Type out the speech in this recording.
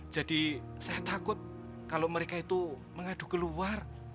jadi saya takut kalau mereka itu mengadu keluar